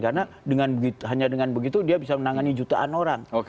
karena hanya dengan begitu dia bisa menangani jutaan orang